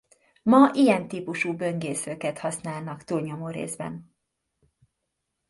Ma ilyen típusú böngészőket használnak túlnyomó részben.